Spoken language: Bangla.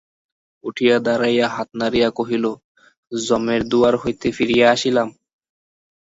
উঠিয়া দাঁড়াইয়া হাত নাড়িয়া কহিল, যমের দুয়ার হইতে ফিরিয়া আসিলাম।